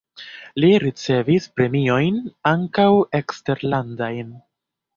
Li ricevis premiojn (ankaŭ eksterlandajn).